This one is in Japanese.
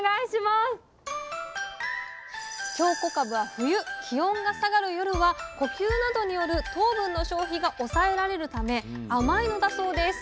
京こかぶは冬気温が下がる夜は呼吸などによる糖分の消費が抑えられるため甘いのだそうです。